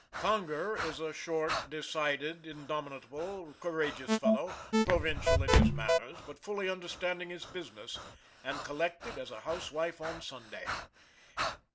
Conger is a short, decided, indomitable, courageous fellow, provincial in his manners, but fully understanding his business, and collected as a housewife on Sunday.